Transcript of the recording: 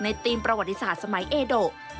ในธีมประวัติศาสตร์สมัยเอดอวอนเดอร์